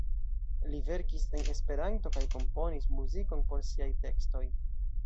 Li verkis en Esperanto kaj komponis muzikon por siaj tekstoj.